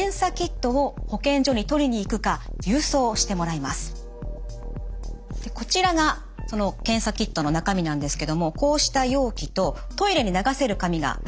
そして事前にこちらがその検査キットの中身なんですけどもこうした容器とトイレに流せる紙が２つずつ入っています。